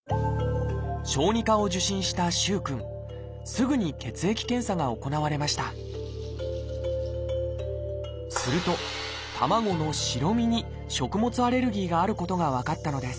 すぐに血液検査が行われましたすると卵の白身に食物アレルギーがあることが分かったのです。